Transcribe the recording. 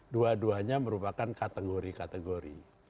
dua duanya merupakan kategori kategori